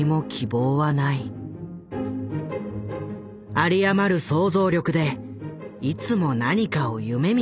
有り余る想像力でいつも何かを夢みている。